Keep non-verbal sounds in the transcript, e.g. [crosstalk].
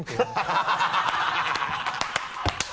ハハハ [laughs]